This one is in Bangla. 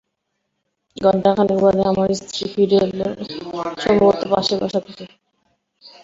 ঘণ্টা খানেক বাদে আমার স্ত্রী ফিরে এল, সম্ভবত পাশের বাসা থেকে।